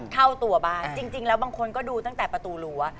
เข้าตัวบ้านจริงแล้วบางคนก็ดูตั้งแต่ประตูรั้ว